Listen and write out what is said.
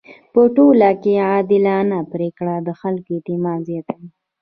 په ټولنه کي عادلانه پریکړه د خلکو اعتماد زياتوي.